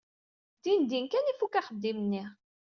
Dindin kan ifuk axeddim-nni.